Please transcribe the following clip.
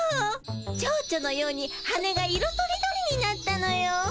蝶々のように羽が色とりどりになったのよ。